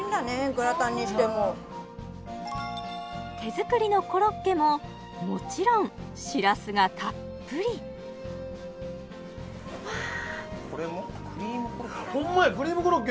グラタンにしても手作りのコロッケももちろんしらすがたっぷりこれもクリームコロッケホンマやクリームコロッケ